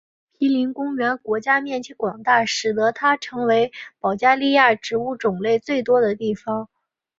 皮林国家公园面积广大使得它成为保加利亚植物种类最多的地方。